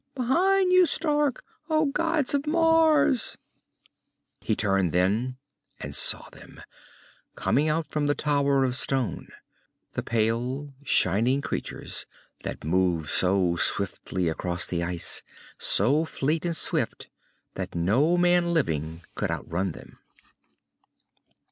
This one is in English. "Behind you, Stark! Oh, gods of Mars!" He turned then and saw them, coming out from the tower of stone, the pale, shining creatures that move so swiftly across the ice, so fleet and swift that no man living could outrun them.